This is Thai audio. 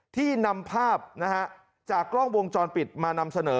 ที่นำภาพจากกล้องวงจรปิดมานำเสนอ